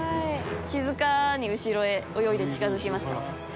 「静かに後ろへ泳いで近付きました」